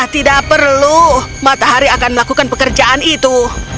tidak perlu matahari akan melakukan pekerjaan itu